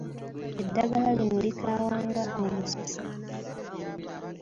Eddagala lino likaawa nga Omususa.